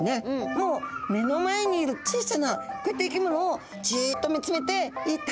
もう目の前にいる小さなこういった生き物をジッと見つめていた！